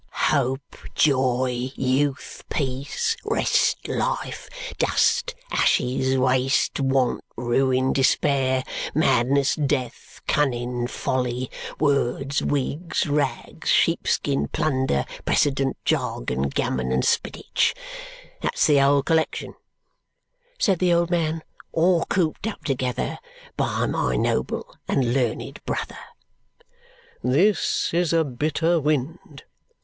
"Hope, Joy, Youth, Peace, Rest, Life, Dust, Ashes, Waste, Want, Ruin, Despair, Madness, Death, Cunning, Folly, Words, Wigs, Rags, Sheepskin, Plunder, Precedent, Jargon, Gammon, and Spinach. That's the whole collection," said the old man, "all cooped up together, by my noble and learned brother." "This is a bitter wind!"